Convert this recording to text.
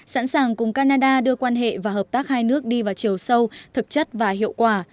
sẵn sàng cùng canada đưa quan hệ và hợp tác hai nước đi vào chiều sâu thực chất và hiệu quả